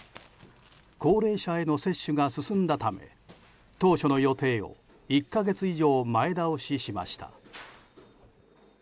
高齢者への接種が進んだため当初の予定を１か月以上前倒ししました。